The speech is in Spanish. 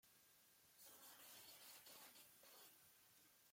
Su nombre original era "Big Boy".